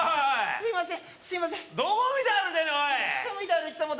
すいません